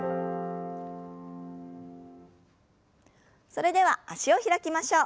それでは脚を開きましょう。